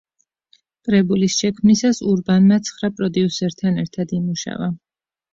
კრებულის შექმნისას ურბანმა ცხრა პროდიუსერთან ერთად იმუშავა.